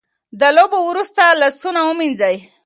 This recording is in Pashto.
د لوبو وروسته لاسونه ومینځئ.